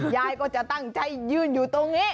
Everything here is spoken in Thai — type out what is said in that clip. ยายก็จะตั้งใจยืนอยู่ตรงนี้